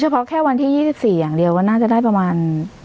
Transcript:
เฉพาะแค่วันที่ยี่สิบสี่อย่างเดียวก็น่าจะได้ประมาณ